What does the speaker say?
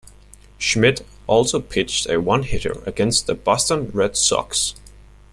Schmidt also pitched a one-hitter against the Boston Red Sox.